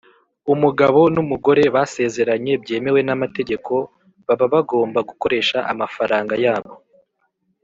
umugabo n’umugore basezeranye byemewe n’amategeko baba bagomba gukoresha amafaranga yabo,